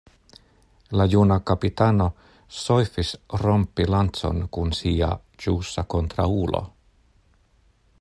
La juna kapitano soifis rompi lancon kun sia ĵusa kontraŭulo.